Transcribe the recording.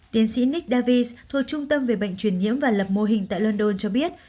tiến sĩ nick davis thuộc trung tâm về bệnh truyền nhiễm và lập mô hình tại london cho biết